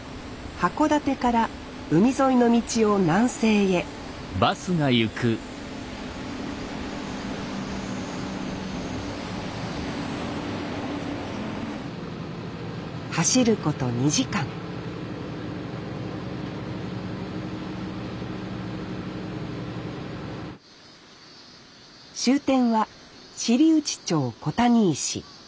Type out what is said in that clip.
函館から海沿いの道を南西へ走ること２時間終点は知内町小谷石。